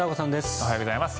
おはようございます。